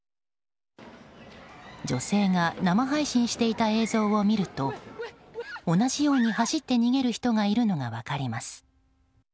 女性が生配信していた映像を見ると同じように走って逃げる人がいるのが分かります。